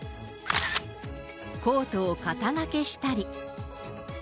コートを肩掛けしたり。